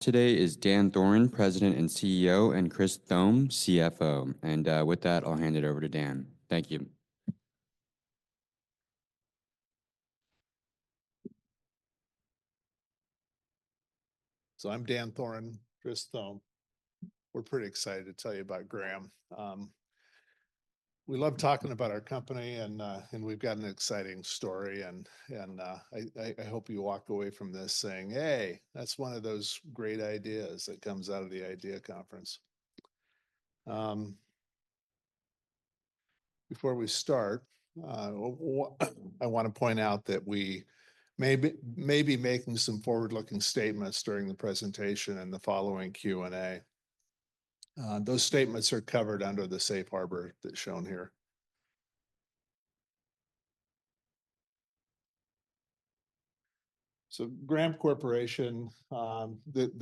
Today is Dan Thoren, President and CEO, and Chris Thome, CFO. And with that I'll hand it over to Dan. Thank you. I'm Dan Thoren. Chris, we're pretty excited to tell you about Graham. We love talking about our company and we've got an exciting story and I hope you walk away from this saying hey, that's one of those great ideas that comes out of the IDEAS Conference. Before we start, I want to point out that we may be making some forward-looking statements during the presentation and the following Q&A. Those statements are covered under the safe harbor that's shown here. Graham Corporation. The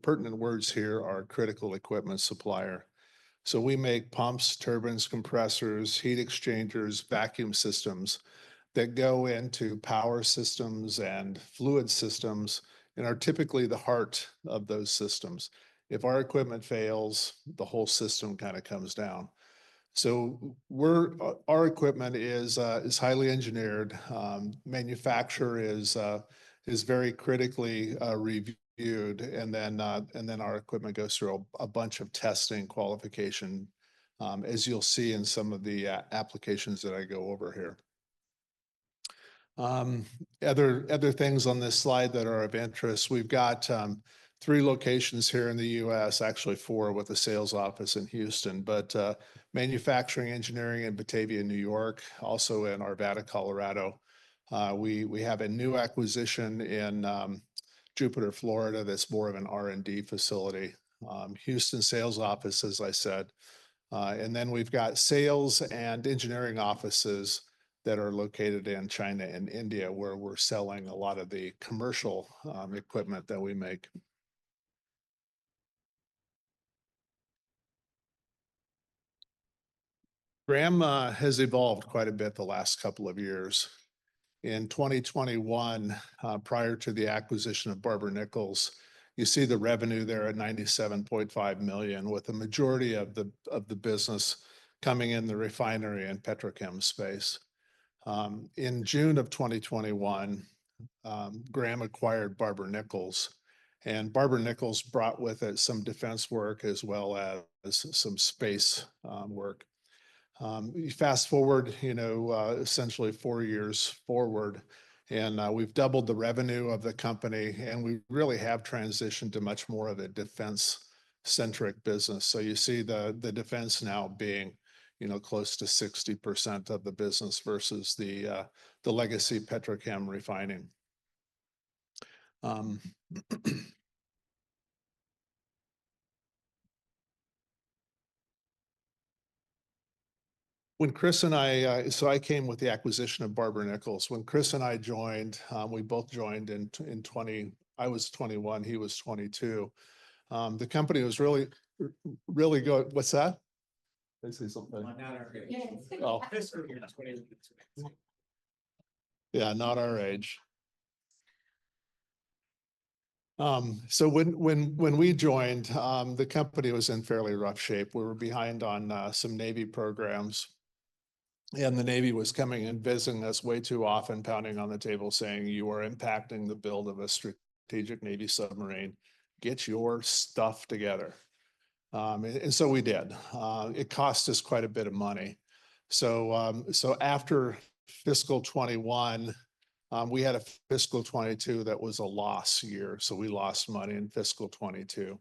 pertinent words here are critical supplier. We make pumps, turbines, compressors, heat exchangers, vacuum systems that go into power systems and fluid systems and are typically the heart of those systems. If our equipment fails, the whole system kind of comes down. So we're. Our equipment is highly engineered. Manufacturer is very critically reviewed and then our equipment goes through a bunch of testing qualification as you'll see in some of the applications that I go over here. Other things on this slide that are of interest. We've got three locations here in the U.S. Actually four with the sales office in Houston, but manufacturing engineering in Batavia, New York, also in Arvada, Colorado. We have a new acquisition in Jupiter, Florida that's more of an R&D facility. Houston sales office, as I said. And then we've got sales and engineering offices that are located in China and India where we're selling a lot of the commercial equipment that we make. Graham has evolved quite a bit the last couple of years. In 2021, prior to the acquisition of Barber-Nichols, you see the revenue there at $97.5 million with the majority of the business coming in the refinery and petrochem space. In June of 2021, Graham acquired Barber-Nichols. And Barber-Nichols brought with it some defense work as well as some space work. You fast forward, you know, essentially four years forward and we've doubled the revenue of the company and we really have transitioned to much more of a defense centric business. So you see the defense now being, you know, close to 60% of the business versus the legacy petrochem refining. When Chris and I. So I came with the acquisition of Barber-Nichols. When Chris and I joined, we both joined in 2021. I was 21, he was 22. The company was really, really good. What's that? Yeah, not our age. When we joined, the company was in fairly rough shape. We were behind on some Navy programs. The Navy was coming and visiting us way too often, pounding on the table saying you are impacting the build of a strategic Navy submarine. Get your stuff together. We did. It cost us quite a bit of money. After fiscal 2021 we had a fiscal 2022 that was a loss year. We lost money in fiscal 2022.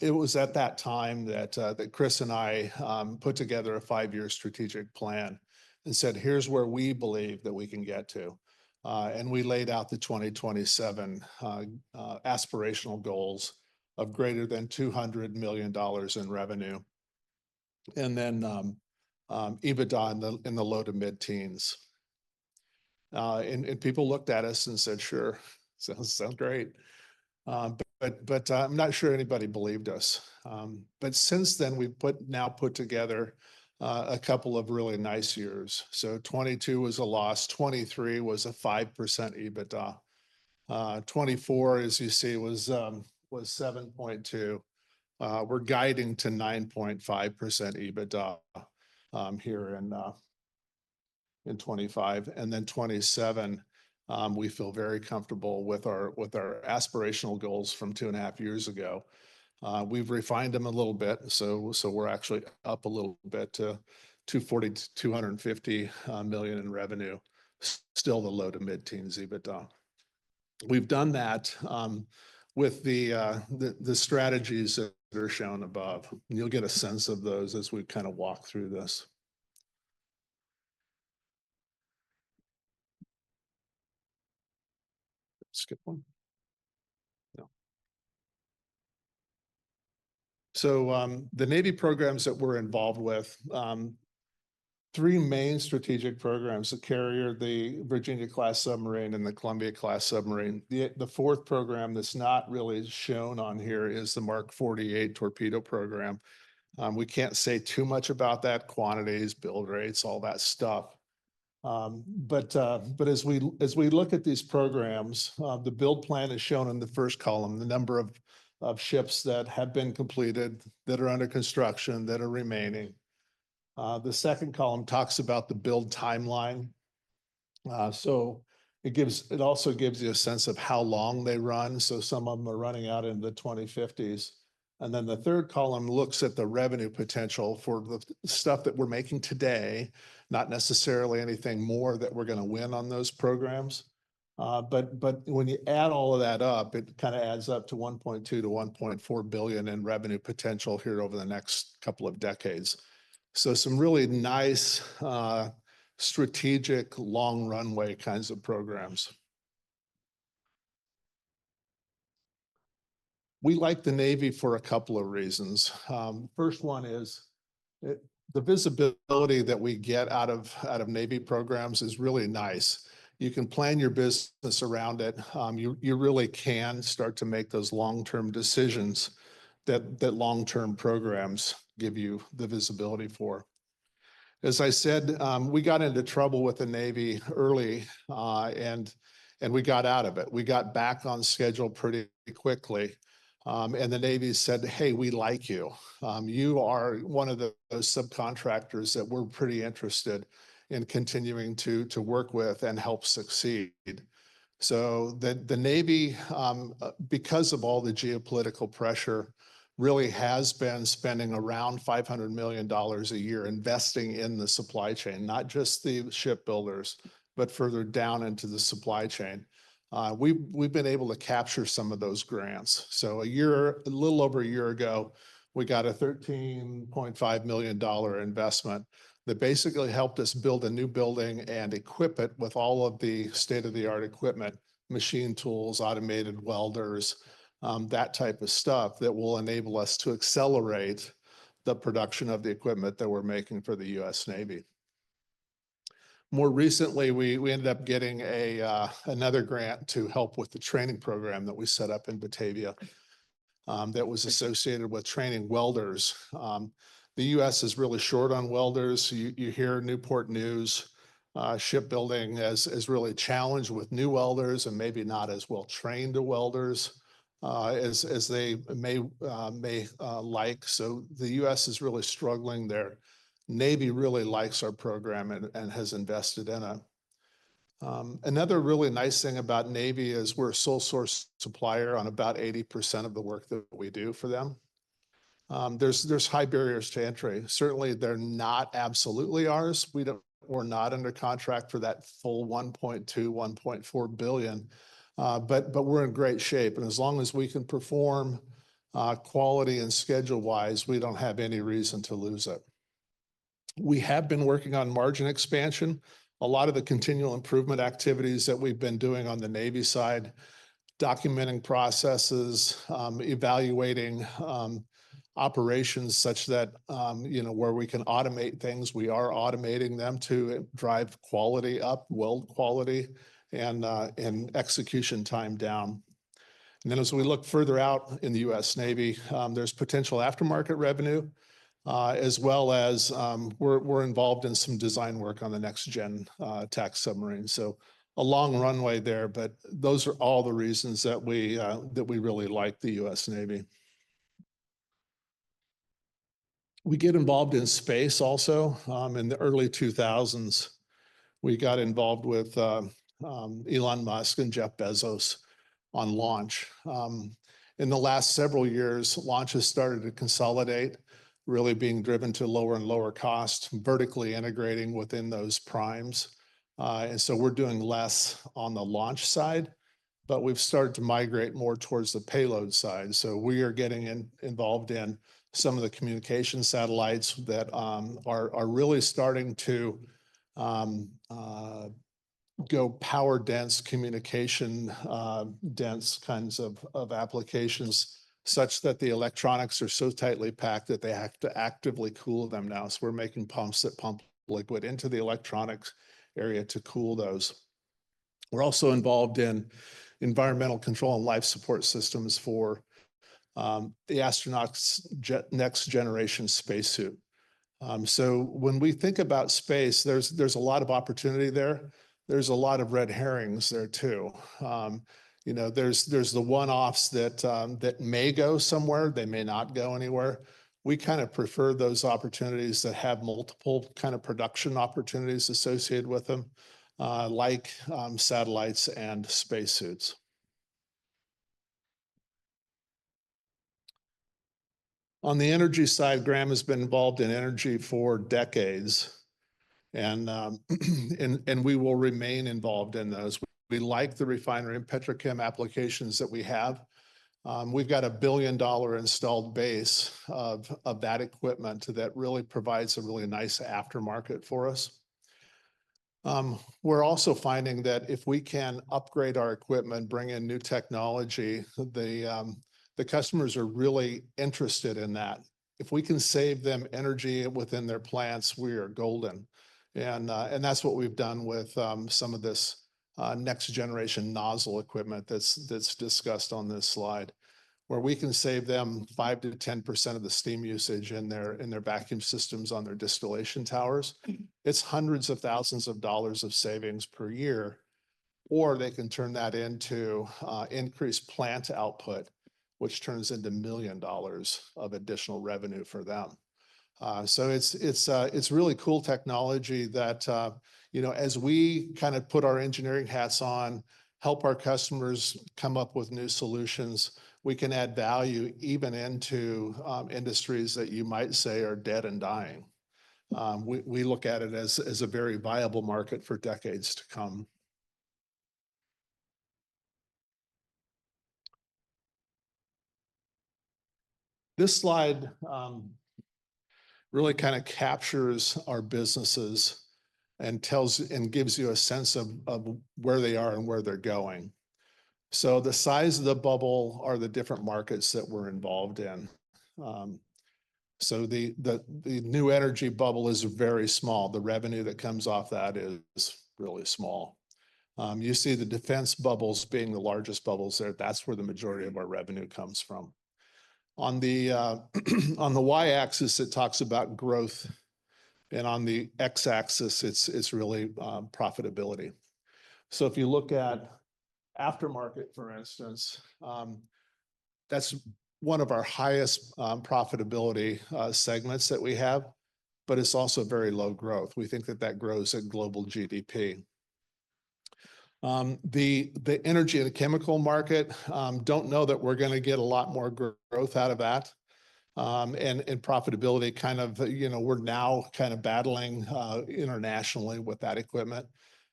It was at that time that Chris and I put together a five-year strategic plan and said here's where we believe that we can get to. We laid out the 2027 aspirational goals of greater than $200 million in revenue. Then EBITDA in the low-to-mid teens. And people looked at us and said, sure, sounds great, but I'm not sure anybody believed us. But since then, we've now put together a couple of really nice years. So 2022 was a loss. 2023 was a 5% EBITDA. 2024 as you see, was 7.2%. We're guiding to 9.5% EBITDA here in 2025 and then 2027. We feel very comfortable with our, with our aspirational goals from two and a half years ago. We've refined them a little bit. So we're actually up a little bit to $240 million-$250 million in revenue still the low- to mid-teens% EBITDA. We've done that with the strategies that are shown above. You'll get a sense of those as we kind of walk through this. Skip. The Navy programs that we're involved with, three main strategic programs, the carrier, the Virginia-class submarine and the Columbia-class submarine. The fourth that's not really shown on here is the MK48 torpedo program. We can't say too much about that quantities, build rates, all that stuff. But as we look at these programs, the build plan is shown in the first column. The number of ships that have been completed that are under construction, that are remaining. The second column talks about the build timeline. So it gives, it also gives you a sense of how long they run. So some of them are running out in the 2050s. And then the third column looks at the revenue potential for the stuff that we're making today. Not necessarily anything more that we're going to win on those programs. When you add all of that up, it kind of adds up to $1.2 billion-$1.4 billion in revenue potential here over the next couple of decades. Some really nice strategic long runway kinds of programs. We like the Navy for a couple of reasons. First one is the visibility that we get out of Navy programs is really nice. You can plan your business around it. You really can start to make those long term decisions that long term programs give you the visibility for. As I said, we got into trouble with the Navy early and we got out of it. We got back on schedule pretty quickly and the Navy said, hey, we like you. You are one of those subcontractors that we're pretty interested in continuing to work with and help succeed. So the Navy, because of all the geopolitical pressure, really has been spending around $500 million a year investing in the supply chain. Not just the shipbuilders, but further down into the supply chain. We've been able to capture some of those grants. So a year, a little over a year ago, we got a $13.5 million investment that basically helped us build a new building and equip it with all of the state-of-the-art equipment, machine tools, automated welders, that type of stuff that will enable us to accelerate the production of the equipment that we're making for the U.S. Navy. More recently, we ended up getting another grant to help with the training program that we set up in Batavia that was associated with training welders. The U.S. is really short on welders. You hear Newport News Shipbuilding is really challenged with new welders and maybe not as well-trained welders as they may like. So the U.S. is really struggling there. Navy really likes our program and has invested in it. Another really nice thing about Navy is we're a sole source supplier on about 80% of the work that we do for them. There's high barriers to entry. Certainly they're not absolutely ours. We don't, we're not under contract for that full $1.2 billion-$1.4 billion, but we're in great shape and as long as we can perform quality and schedule wise, we don't have any reason to lose it. We have been working on margin expansion, a lot of the continual improvement activities that we've been doing on the Navy side, documenting processes, evaluating operations such that, you know, where we can automate things, we are automating them to drive quality up, weld quality and execution time down. And then as we look further out in the U.S. Navy, there's potential aftermarket revenue as well as we're involved in some design work on the next-gen attack submarine. So a long runway there. But those are all the reasons that we really like the U.S. Navy. We get involved in space. Also in the early 2000s, we got involved with Elon Musk and Jeff Bezos on launch. In the last several years, launch has started to consolidate, really being driven to lower and lower cost, vertically integrating within those primes. We're doing less on the launch side, but we've started to migrate more towards the payload side. We are getting involved in some of the communication satellites that are really starting to go power dense, communication dense kinds of applications, such that the electronics are so tightly packed that they have to actively cool them now. We're making pumps that pump liquid into the electronics area to cool those. We're also involved in environmental control and life support systems for the astronauts' next-generation spacesuit. When we think about space, there's, there's a lot of opportunity there. There's a lot of red herrings there too. You know, there's, there's the one-offs that, that may go somewhere, they may not go anywhere. We kind of prefer those opportunities that have multiple kind of production opportunities associated with them like satellites and spaces. On the energy side, Graham has been involved in energy for decades and we will remain involved in those. We like the refinery and petrochem applications that we have. We've got a $1 billion installed base of that equipment that really provides a really nice aftermarket for us. We're also finding that if we can upgrade our equipment, bring in new technology, the customers are really interested in that. If we can save them energy within their plants, we are golden. And, and that's what we've done with some of this next generation nozzle equipment that's, that's discussed on this slide where we can save them 5-10% of the steam usage in their, in their vacuum systems, on their distillation towers. It's hundreds of thousands of dollars of savings per year. Or they can turn that into increased plant output, which turns into million dollars of additional revenue for them. So it's really cool technology that, as we kind of put our engineering hats on, helps our customers come up with new solutions. We can add value even into industries that you might say are dead and dying. We look at it as a very viable market for decades to come. This slide really kind of captures our businesses and tells and gives you a sense of where they are and where they're going. So the size of the bubble are the different markets that we're involved in. So the new energy bubble is very small. The revenue that comes off that is really small. You see the defense bubbles being the largest bubbles there. That's where the majority of our revenue comes from. On the Y axis it talks about growth and on the X axis it's really profitability. So if you look at aftermarket, for instance, that's one of our highest profitability segments that we have. But it's also very low growth. We think that grows at global GDP. The energy and the chemical market don't know that we're going to get a lot more growth out of that. And profitability kind of, you know, we're now kind of battling internationally with that equipment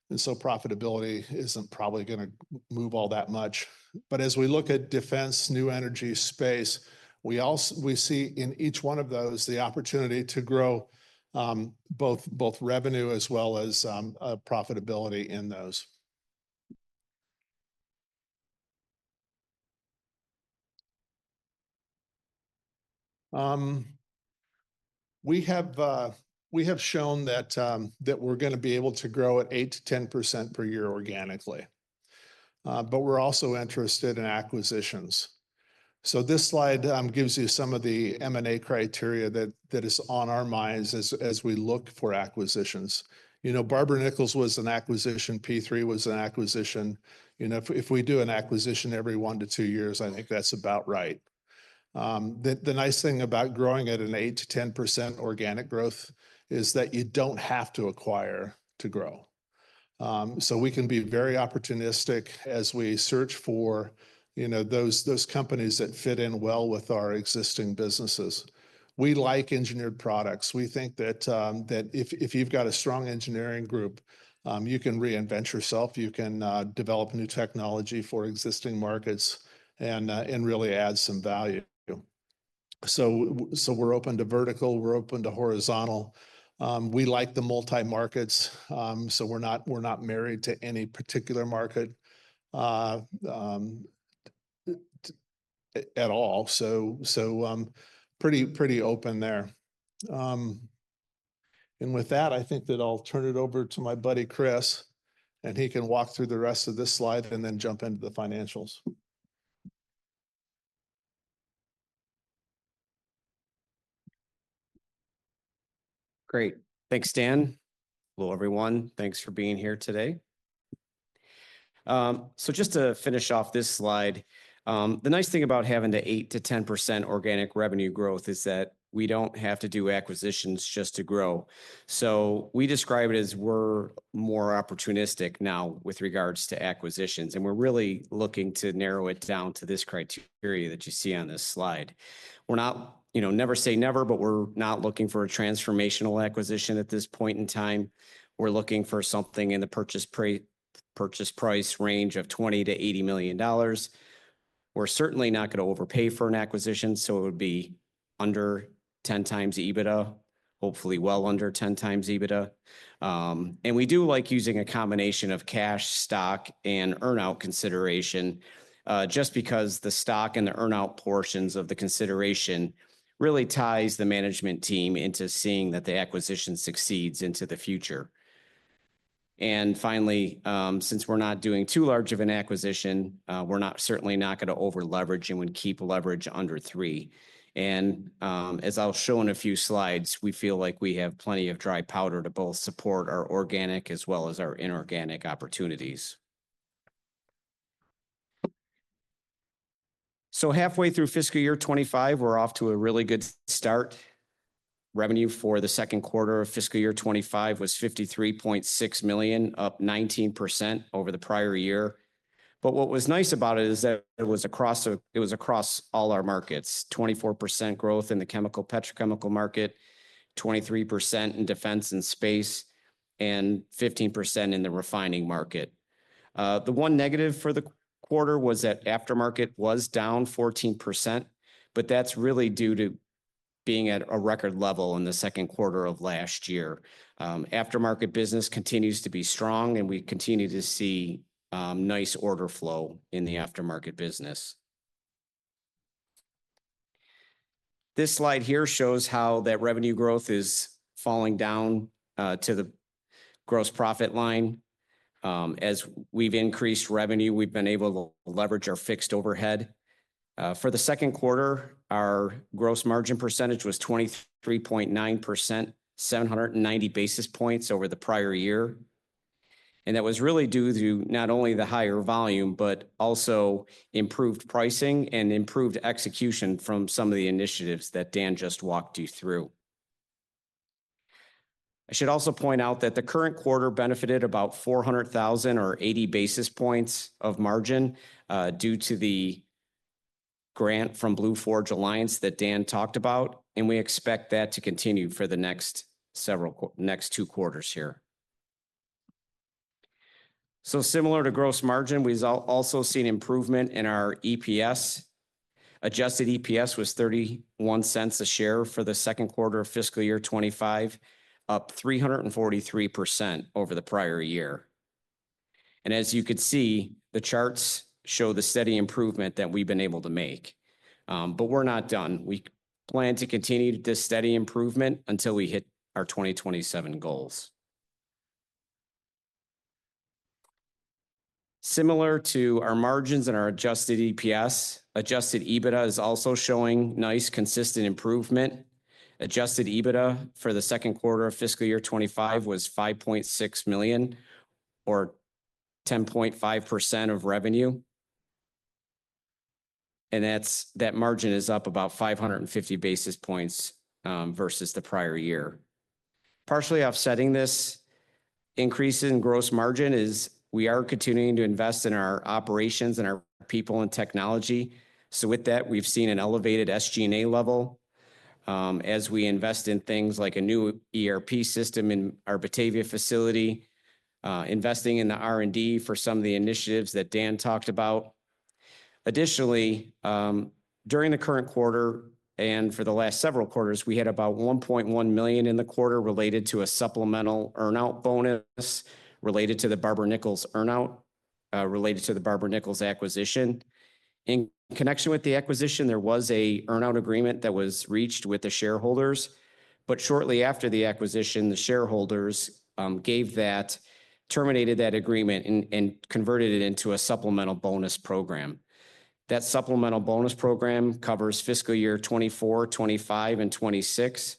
and so profitability isn't probably going to move all that much. But as we look at defense, new energy, space, we see in each one of those the opportunity to grow both revenue as well as profitability in those. We have shown that we're going to be able to grow at 8%-10% per year organically. But we're also interested in acquisitions. So this slide gives you some of the M&A criteria that, that is on our minds as we look for acquisitions, you know. Barber-Nichols was an acquisition. P3 was an acquisition. You know, if we do an acquisition every one to two years, I think that's about right. The nice thing about growing at an 8%-10% organic growth is that you don't have to acquire to grow. So we can be very opportunistic as we search for, you know, those, those companies that fit in well with our existing businesses. We like engineered products. We think that, that if, if you've got a strong engineering group, you can reinvent yourself, you can develop new technology for existing markets and, and really add some value. So, so we're open to vertical, we're open to horizontal. We like the multi markets. We're not married to any particular market. At all. Pretty open there. And with that, I think that I'll turn it over to my buddy Chris and he can walk through the rest of this slide and then jump into the financials. Great. Thanks Dan. Hello everyone. Thanks for being here today. So, just to finish off this slide, the nice thing about having the 8%-10% organic revenue growth is that we don't have to do acquisitions just to grow. So we describe it as we're more opportunistic now with regards to acquisitions and we're really looking to narrow it down to this criteria that you see on this slide. We're not, you know, never say never, but we're not looking for a transformational acquisition at this point in time. We're looking for something in the purchase price range of $20 million-$80 million. We're certainly not going to overpay for an acquisition. So it would be under 10 times EBITDA. Hopefully well under 10 times EBITDA. And we do like using a combination of cash stock and earn out consideration. Just because the stock and the earnout portions of the consideration really ties the management team into seeing that the acquisition succeeds into the future. And finally, since we're not doing too large of an acquisition, we're not certainly not going to over leverage and we keep leverage under three. And as I'll show in a few slides, we feel like we have plenty of dry powder to both support our organic as well as our inorganic opportunities. So halfway through fiscal year 2025, we're off to a really good start. Revenue for the second quarter of fiscal year 2025 was $53.6 million, up 19% over the prior year. But what was nice about it is that it was across, it was across all our markets, 24% growth in the chemical petrochemical market, 23% in defense and space and 15% in the refining market. The one negative for the quarter was that aftermarket was down 14%, but that's really due to being at a record level in the second quarter of last year. Aftermarket business continues to be strong and we continue to see nice order flow in the aftermarket business. This slide here shows how that revenue growth is falling down to the gross profit line. As we've increased revenue, we've been able to leverage our fixed overhead for the second quarter. Our gross margin percentage was 23.9%, 790 basis points over the prior year, and that was really due to not only the higher volume, but also improved pricing and improved execution from some of the initiatives that Dan just walked you through. I should also point out that the current quarter benefited about $400,000 or 80 basis points of margin due to the grant from Blue Forge Alliance that Dan talked about. We expect that to continue for the next two quarters here. Similar to gross margin, we also seen improvement in our EPS. Adjusted EPS was $0.31 a share for the second quarter of fiscal year 2025, up 343% over the prior year. As you could see, the charts show the steady improvement that we've been able to make. We're not done. We plan to continue this steady improvement until we hit our 2027 goals. Similar to our margins and our Adjusted EPS, Adjusted EBITDA is also showing nice consistent improvement. Adjusted EBITDA for the second quarter of fiscal year 2025 was $5.6 million, or 10.5% of revenue. That's that margin is up about 550 basis points versus the prior year. Partially offsetting this increase in gross margin is we are continuing to invest in our operations and our people and technology. With that, we've seen an elevated SGA level as we invest in things like a new ERP system in our Batavia facility, investing in the R&D for some of the initiatives that Dan talked about. Additionally, during the current quarter and for the last several quarters, we had about $1.1 million in the quarter related to a supplemental earnout bonus related to the Barber-Nichols earnout related to the Barber-Nichols acquisition. In connection with the acquisition, there was an earnout agreement that was reached with the shareholders. Shortly after the acquisition, the shareholders gave that, terminated that agreement and converted it into a supplemental bonus program. That supplemental bonus program covers fiscal year 2024, 2025 and 2026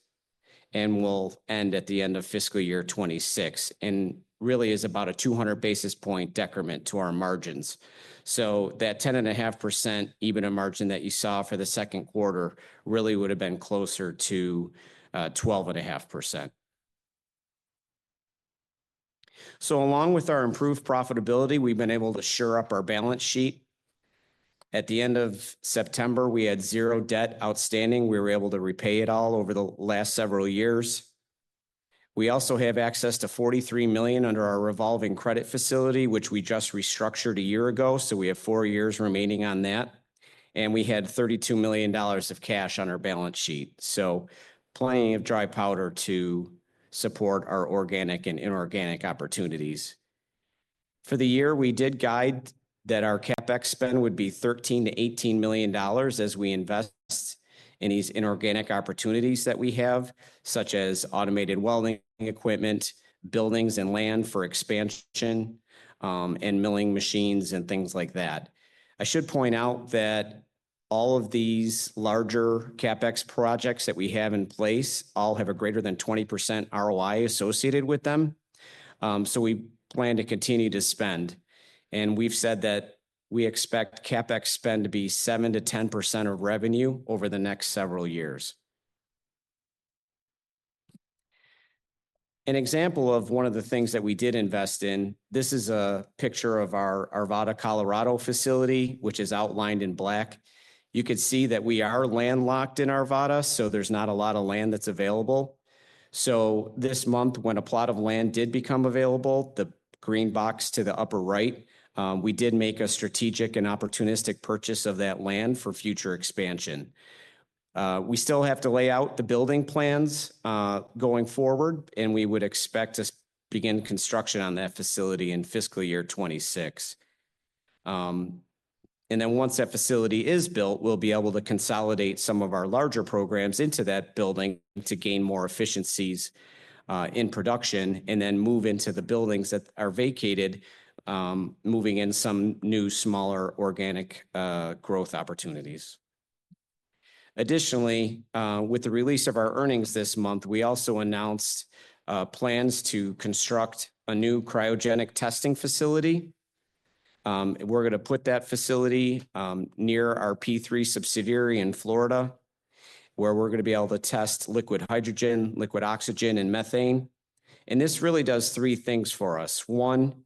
and will end at the end of fiscal year 2026 and really is about a 200 basis point decrement to our margins. So that 10.5% EBITDA margin that you saw for the second quarter really would have been closer to 12.5%. So along with our improved profitability, we've been able to shore up our balance sheet. At the end of September, we had zero debt outstanding. We were able to repay it all over the last several years. We also have access to $43 million under our revolving credit facility, which we just restructured a year ago. So we have four years remaining on that. And we had $32 million of cash on our balance sheet, so plenty of dry powder to support our organic and inorganic opportunities for the year. We did guide that our CAPEX spend would be $13 million-$18 million as we invest in these inorganic opportunities that we have, such as automated welding equipment, buildings and land for expansion and milling machines and things like that. I should point out that all of these larger CAPEX projects that we have in place all have a greater than 20% ROI associated with them. So we plan to continue to spend and we've said that we expect CAPEX spend to be 7%-10% of revenue over the next several years. An example of one of the things that we did invest in. This is a picture of our Arvada, Colorado facility, which is outlined in black. You could see that we are landlocked in Arvada, so there's not a lot of land that's available. So this month, when a plot of land did become available. The green box to the upper right. We did make a strategic and opportunistic purchase of that land for future expansion. We still have to lay out the building plans going forward and we would expect to begin construction on that facility in fiscal year 2026. And then once that facility is built, we'll be able to consolidate some of our larger programs into that building to gain more efficiencies in production and then move into the buildings that are vacated, moving in some new, smaller organic growth opportunities. Additionally, with the release of our earnings this month, we also announced plans to construct a new cryogenic testing facility. We're going to put that facility near our P3 subsidiary in Florida where we're going to be able to test liquid hydrogen, liquid oxygen and methane. And this really does three things for us. One,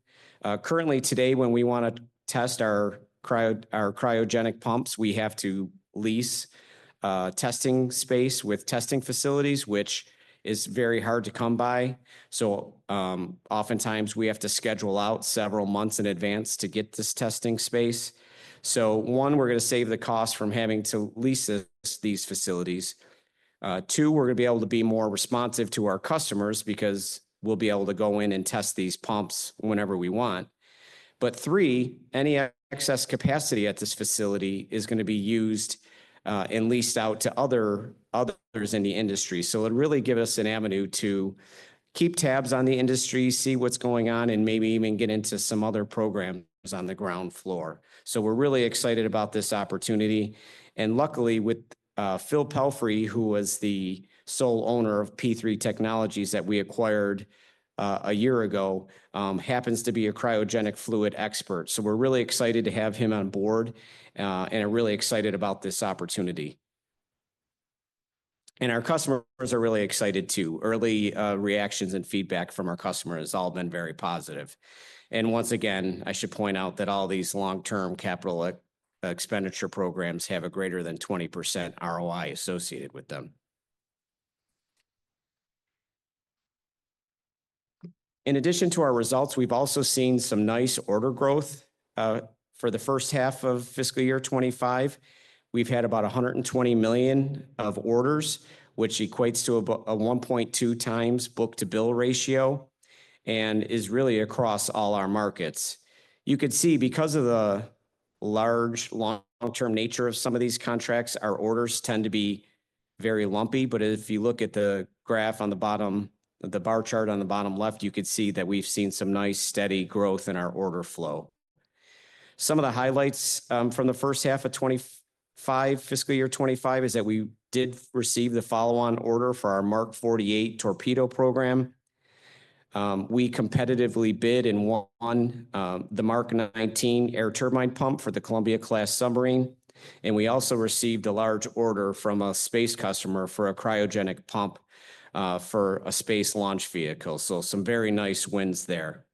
currently, today, when we want to test our cryo, our cryogenic pumps, we have to lease testing space with testing facilities, which is very hard to come by. So oftentimes we have to schedule out several months in advance to get this testing space. So one, we're going to save the cost from having to lease these facilities. Two, we're going to be able to be more responsive to our customers because we'll be able to go in and test these pumps whenever we want. But three, any excess capacity at this facility is going to be used and leased out to others in the industry. So it really give us an avenue to keep tabs on the industry, see what's going on, and maybe even get into some other programs on the ground floor. So we're really excited about this opportunity. And luckily with Phil Pelfrey, who was the sole owner of P3 Technologies that we acquired a year ago, happens to be a cryogenic fluid expert. So we're really excited to have him on board and are really excited about this opportunity. And our customers are really excited too. Early reactions and feedback from our customers all been very positive. And once again I should point out that all these long term capital expenditure programs have a greater than 20% ROI associated with them. In addition to our results, we've also seen some nice order growth. For the first half of fiscal year 2025, we've had about $120 million of orders, which equates to a 1.2 times book-to-bill ratio and is really across all our markets. You could see because of the large long term nature of some of these contracts, our orders tend to be very lumpy. But if you look at the graph on the bottom, the bar chart on the bottom left, you could see that we've seen some nice steady growth in our order flow. Some of the highlights from first half 2025 fiscal year 2025 is that we did receive the follow on order for our MK48 Torpedo program. We competitively bid and won the MK19 Air Turbine Pump for the Columbia class submarine and we also received a large order from a space customer for a cryogenic pump for a space launch vehicle. So some very nice wins there.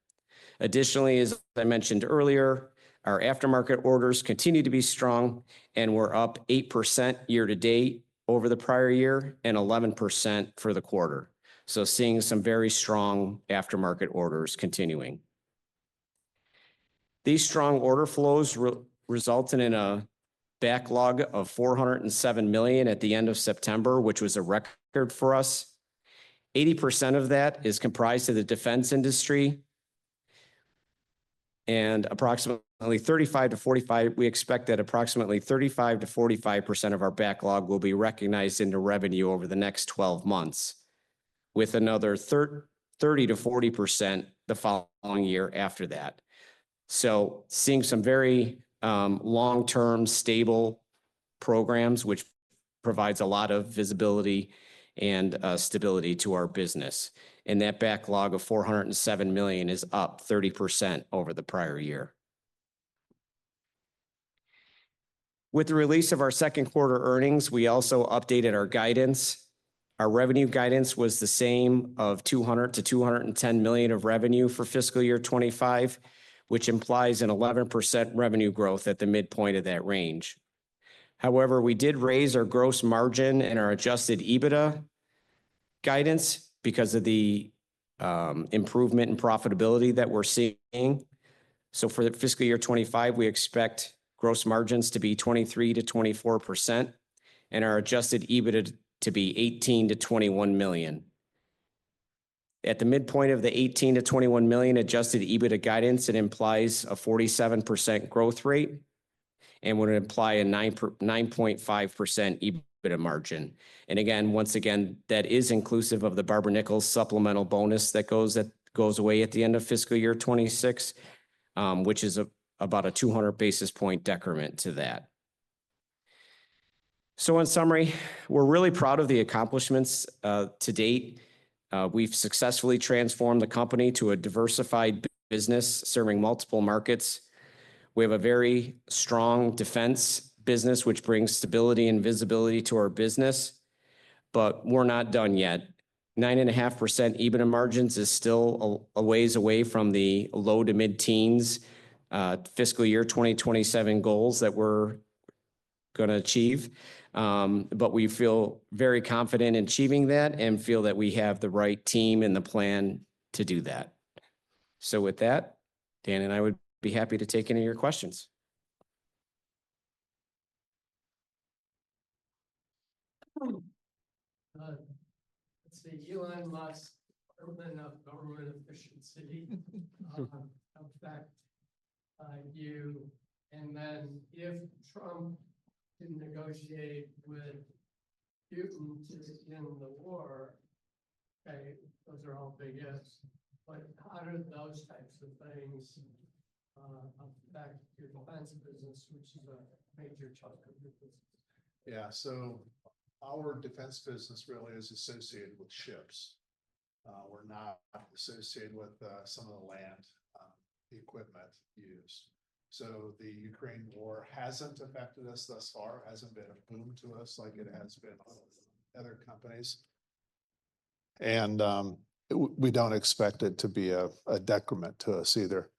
Additionally, as I mentioned earlier, our aftermarket orders continue to be strong and were up 8% year-to-date over the prior year and 11% for the quarter. So seeing some very strong aftermarket orders. Continuing these strong order flows resulted in a backlog of $407 million at the end of September, which was a record for us. 80% of that is comprised of the defense industry and approximately 35%-45%. We expect that approximately 35%-45% of our backlog will be recognized into revenue over the next 12 months with another 30%-40% the following year after that. So seeing some very long term stable programs which provides a lot of visibility and stability to our business. And that backlog of $407 million is up 30% over the prior year. With the release of our second quarter earnings, we also updated our guidance. Our revenue guidance was the same of $200 million-$210 million of revenue for fiscal year 2025, which implies an 11% revenue growth at the midpoint of that range. However, we did raise our gross margin and our adjusted EBITDA guidance because of the improvement in profitability that we're seeing. So for the fiscal year 2025 we expect gross margins to be 23%-24% and our adjusted EBITDA to be $18 million-$21 million. At the midpoint of the $18 million-$21 million adjusted EBITDA guidance, it implies a 47% growth rate and would imply a 9.5% EBITDA margin. And again, once again that is inclusive of the Barber-Nichols supplemental bonus that goes away at the end of fiscal year 2026, which is about a 200 basis point decrement to that. So in summary, we're really proud of the accomplishments to date. We've successfully transformed the company to a diversified business serving multiple markets. We have a very strong defense business which brings stability and visibility to our business, but we're not done yet. 9.5% EBITDA margins is still a ways away from the low- to mid-teens fiscal year 2027 goals that we're going to achieve, but we feel very confident in achieving that and feel that we have the right team in the plan to do that. So with that, Dan and I would be happy to take any of your questions. See Elon Musk, Department of Government Efficiency affect you. And then, if Trump didn't negotiate with Putin to end the war, okay, those are all big. Yes. But how do those types of things affect your defense business, which is a major chunk of your business? Yeah, so our defense business really is associated with ships. We're not associated with some of the land equipment used. So the Ukraine war hasn't affected us thus far. Hasn't been affected, but to us like it has been other companies. And we don't expect it to be a decrement to us either.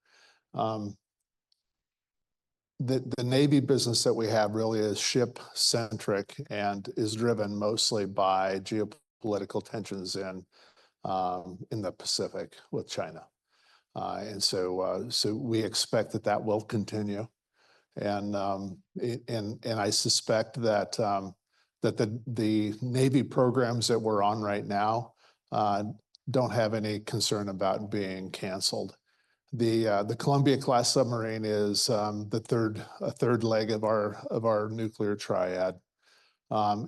The Navy business that we have really is ship centric and is driven mostly by geopolitical tensions in the Pacific with China. And so we expect that will continue. And I suspect that the Navy programs that we're on right now don't have any concern about being canceled. The Columbia-class submarine is a third leg of our nuclear triad.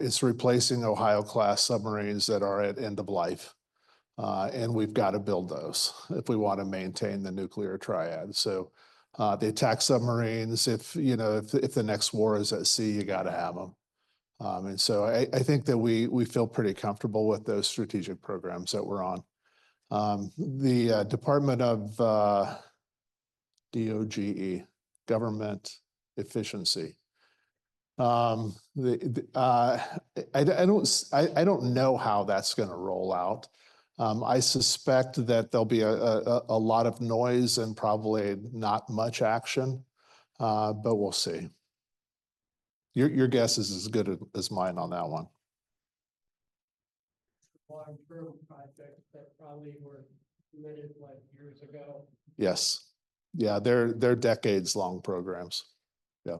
It's replacing Ohio-class submarines that are at end of life and we've got to build those if we want to maintain the nuclear triad. They attack submarines if, you know, if the next war is at sea, you got to have them, and so I think that we feel pretty comfortable with those strategic programs that we're on. The Department of DOGE, Government Efficiency. I don't know how that's going to roll out. I suspect that there'll be a lot of noise and probably not much action, but we'll see. Your guess is as good as mine on that one. Long term projects that probably were committed like years ago. Yes. Yeah, they're decades long programs. Yeah.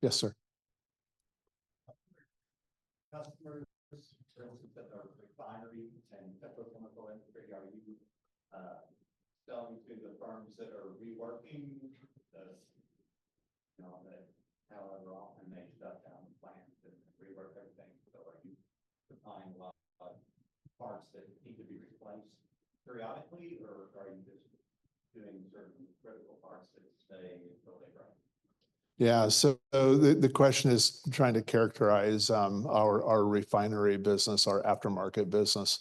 Yes, sir. Petrochemical industry, are you selling to the firms that are reworking, however often they shut down the plants and rework everything? So are you supplying a lot of parts that need to be replaced periodically or are you just doing certain critical parts to stay until they grow? Yeah. So the question is trying to characterize our refinery business, our aftermarket business.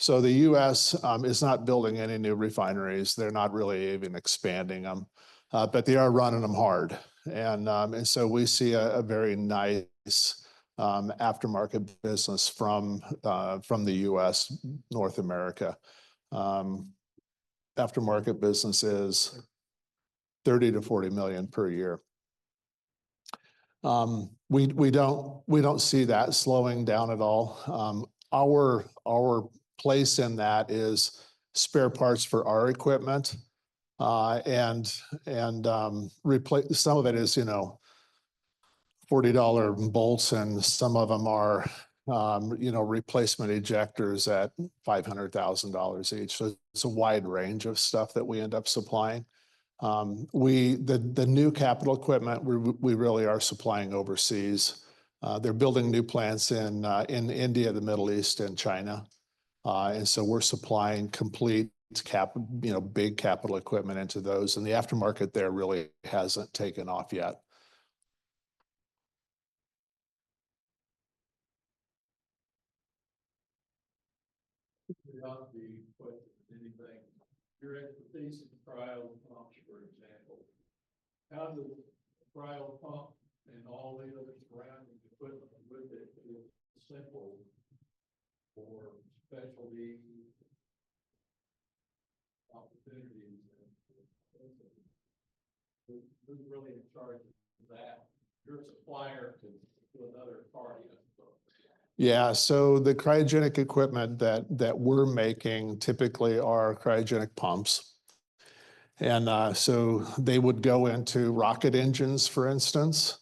So the U.S. is not building any new refineries. They're not really even expanding them, but they are running them hard. And so we see a very nice aftermarket business from the U.S. North America, aftermarket businesses, $30 million-$40 million per year. We don't see that slowing down at all. Our place in that is spare parts for our equipment and, and replace. Some of it is, you know, $40 bolts and some of them are, you know, replacement ejectors at $500,000 each. So it's a wide range of stuff that we end up supplying. We, the new capital equipment we really are supplying overseas. They're building new plants in India, the Middle East and China. And so we're supplying complete cap, you know, big capital equipment into those. The aftermarket there really hasn't taken off yet. How does cryo pump and all the other surrounding equipment with it simplify for specialty opportunities? Who's really in charge of that? Your supplier to another party? Yeah. So the cryogenic equipment that we're making typically are cryogenic pumps. And so they would go into rocket engines, for instance,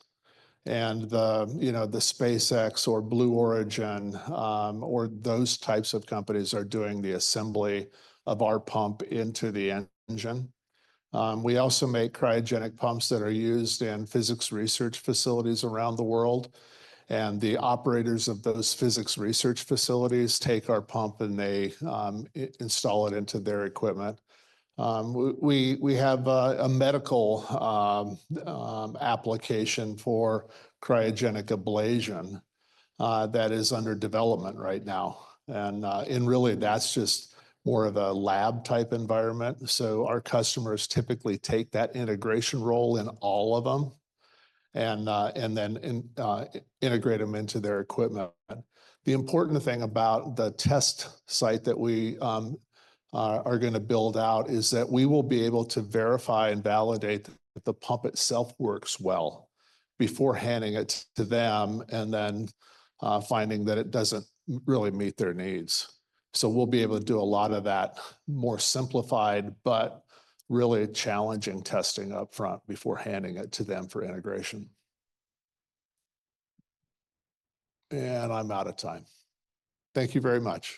and the, you know, the SpaceX or Blue Origin or those types of companies are doing the assembly of our pump into the engine. We also make cryogenic pumps that are used in physics research facilities around the world. And the operators of those physics research facilities take our pump and they install it into their equipment. We have a medical application for cryogenic ablation that is under development right now. And really that's just more of a lab type environment. So our customers typically take that integration role in all of them and then integrate them into their equipment. The important thing about the test site that we are going to build out is that we will be able to verify and validate that the pump itself works well before handing it to them and then finding that it doesn't really meet their needs, so we'll be able to do a lot of that more simplified but really challenging testing up front before handing it to them for integration, and I'm out of time, thank you very much.